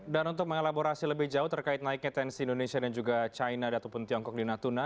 dan untuk mengelaborasi lebih jauh terkait naiknya tni indonesia dan juga china ataupun tiongkok di natuna